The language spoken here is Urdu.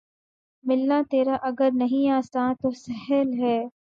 ملنا تیرا اگر نہیں آساں‘ تو سہل ہے